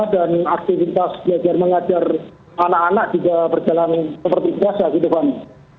dan aktivitas belajar mengajar anak anak juga berjalan seperti biasa gitu pani